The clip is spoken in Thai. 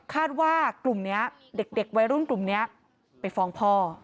ว่ากลุ่มนี้เด็กวัยรุ่นกลุ่มนี้ไปฟ้องพ่อ